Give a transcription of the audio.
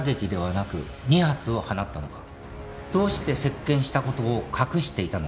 どうして接見した事を隠していたのか？